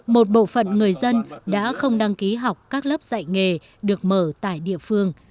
một bộ phận người dân đã không đăng ký học các lớp dạy nghề được mở tại địa phương